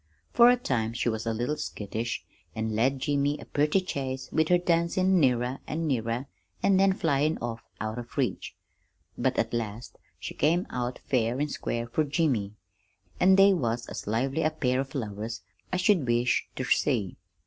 For a time she was a little skittish, an' led Jimmy a purty chase with her dancin' nearer an' nearer, an' then flyin' off out of reach. But at last she came out fair an' square fur Jimmy, an' they was as lively a pair of lovers as ye'd wish ter see.